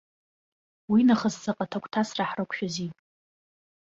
Уинахыс заҟа ҭагәҭасра ҳрықәшәазеи?